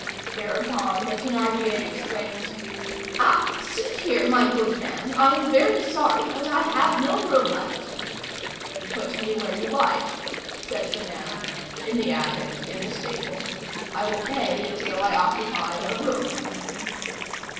Thereupon, the Thénardier exclaimed:— "Ah! see here, my good man; I am very sorry, but I have no room left." "Put me where you like," said the man; "in the attic, in the stable. I will pay as though I occupied a room."